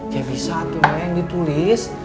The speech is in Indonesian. ya bisa tuh yang ditulis